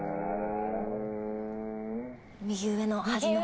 右上の端の方。